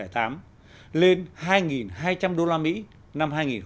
trong giai đoạn hai nghìn một mươi ba hai nghìn một mươi sáu